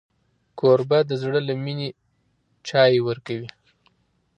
کوربه د زړه له مینې چای ورکوي.